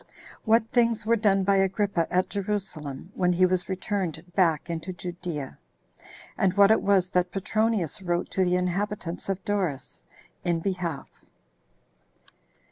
What Things Were Done By Agrippa At Jerusalem When He Was Returned Back Into Judea; And What It Was That Petronius Wrote To The Inhabitants Of Doris, In Behalf.